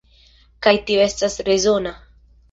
Kaj tio estas rezona.